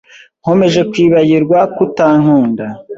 Nkomeje kwibagirwa ko utankunda.